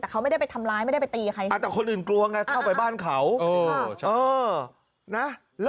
แต่เขาไม่ได้ไปทำร้ายไม่ได้ไปตีใคร